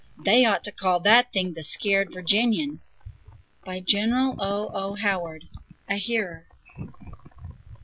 They ought to call that thing 'The Skeered Virginian!'" (By General O. O. Howard, a hearer.)